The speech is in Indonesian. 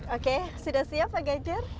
oke sudah siap pak gadger